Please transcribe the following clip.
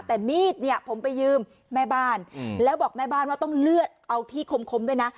แต่มีดเนี่ยผมไปยืมแม่บ้านแล้วบอกแม่บ้านว่าต้องเลือดเอาที่คมด้วยนะ